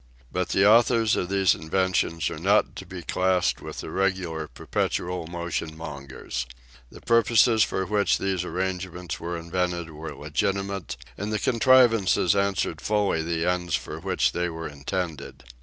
But the authors of these inventions are not to be classed with the regular perpetual motion mongers. The purposes for which these arrangements were invented were legitimate, and the contrivances answered fully the ends for which they were intended.